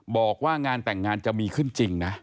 บอกว่างานแต่งงานจะมีขึ้นจริงนะ